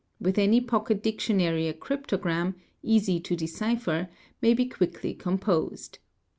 With any pocket dictionary a cryptogram, easy to decipher, may be quickly 'composed.